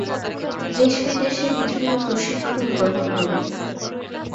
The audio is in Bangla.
দেশণ-বিদেশে বিভিন্ন প্রশিক্ষন গ্রহণ করেন।